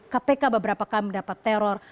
kpk beberapa kali mendapat teror